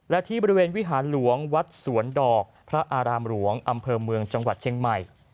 และที่บริเวณวิหารหลวงวัดสวนดอกพระอารามหลวงอำเภอเมืองจังหวัดเชียงใหม่